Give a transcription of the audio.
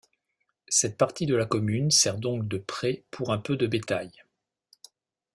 Cette partie de la commune sert donc de prés pour un peu de bétail.